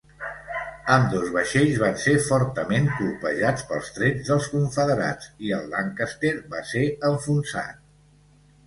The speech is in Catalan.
Ambdós vaixells van ser fortament colpejats pels trets dels confederats, i el "Lancaster" va ser enfonsat.